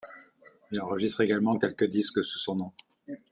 Il enregistre également quelques disques sous son nom.